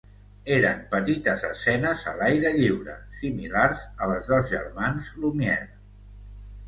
Eren petites escenes a l'aire lliure, similars a les dels germans Lumière.